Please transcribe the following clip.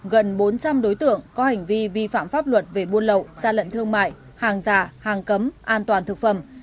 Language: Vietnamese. gần bốn trăm linh đối tượng có hành vi vi phạm pháp luật về buôn lậu gian lận thương mại hàng giả hàng cấm an toàn thực phẩm